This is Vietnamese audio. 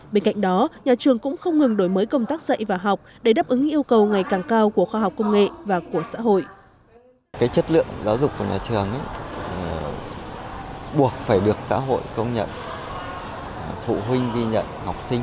bên cạnh đó nhà trường cũng không ngừng đổi mới công tác dạy và học để đáp ứng yêu cầu ngày càng cao của khoa học công nghệ và của xã hội